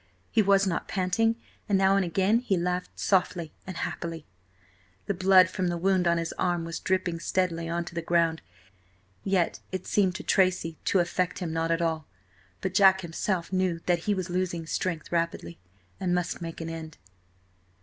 He was not panting, and now and again he laughed softly and happily. The blood from the wound on his arm was dripping steadily on to the ground, yet it seemed to Tracy to affect him not at all. But Jack himself knew that he was losing strength rapidly, and must make an end.